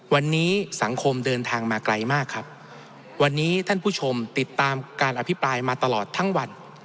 วันนี้สังคมเดินทางมาไกลมากครับวันนี้ท่านผู้ชมติดตามการอภิปรายมาตลอดทั้งวัน